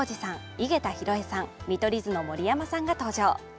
井桁弘恵さん、見取り図の盛山さんが登場。